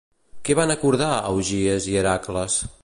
Què van acordar Augies i Hèracles?